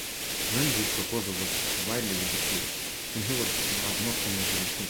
Renzi's proposal was widely ridiculed, and he has not promoted it since.